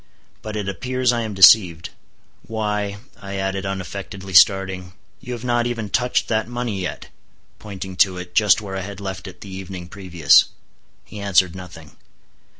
But it appears I am deceived. Why," I added, unaffectedly starting, "you have not even touched that money yet," pointing to it, just where I had left it the evening previous. He answered nothing.